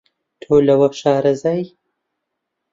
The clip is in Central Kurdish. تۆ لەوە شارەزای